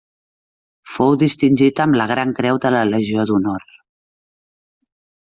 Fou distingit amb la Gran Creu de la Legió d'Honor.